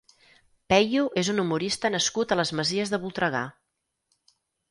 Peyu és un humorista nascut a les Masies de Voltregà.